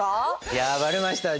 いやばれました。